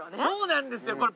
そうなんですよ